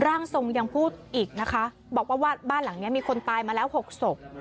ร่างทรงยังพูดอีกนะคะบอกว่าบ้านหลังนี้มีคนตายมาแล้ว๖ศพ